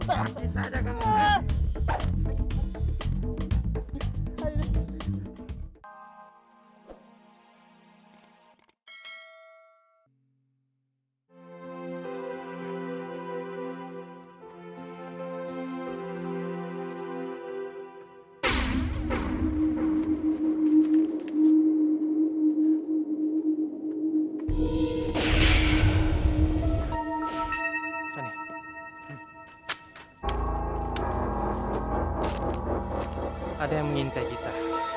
ada yang mengintai kita